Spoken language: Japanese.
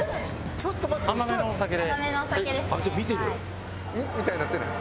ちょっと待って危ないぞ。